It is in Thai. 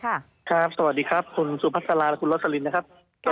สวัสดีครับคุณสุพัสราและคุณรสลินนะครับ